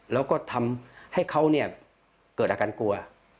แล้วก็ทำให้เขาเกิดอาการกลัว